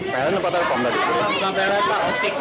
pln apa telekom tadi